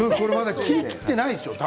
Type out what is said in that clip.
切りきっていないでしょまだ。